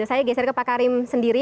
saya geser ke pak karim sendiri